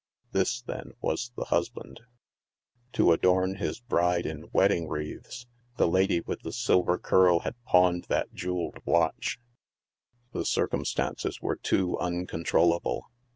This, then, was the husband ; to adorn his bride in wedding wreaths, the lady with the silver curl had pawned that jew eled watch ; the circumstances were too uncontrollable.